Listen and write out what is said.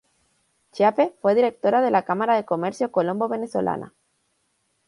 Chiappe fue directora de la Cámara de Comercio Colombo-Venezolana.